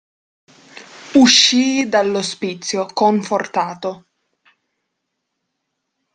Uscii dall'ospizio, confortato.